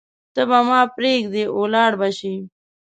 ته به ما پریږدې ولاړه به شې